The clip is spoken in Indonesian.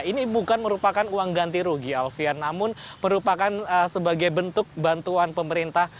ini bukan merupakan uang ganti rugi alfian namun merupakan sebagai bentuk bantuan pemerintah